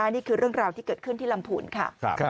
นี่คือเรื่องราวที่เกิดขึ้นที่ลำพูนค่ะ